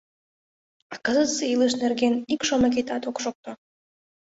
А кызытсе илыш нерген ик шомакетат ок шокто.